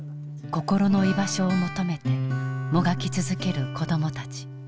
心の居場所を求めてもがき続ける子どもたち。